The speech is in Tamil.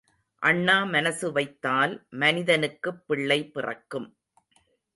அண்ணா மனசு வைத்தால் மதனிக்குப் பிள்ளை பிறக்கும்.